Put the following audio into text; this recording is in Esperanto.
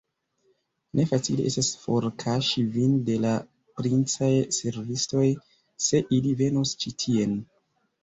Ne facile estas forkaŝi vin de la princaj servistoj, se ili venos ĉi tien!